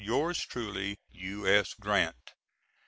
Yours truly, U.S. GRANT.